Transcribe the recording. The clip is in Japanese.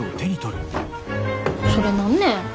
それ何ね？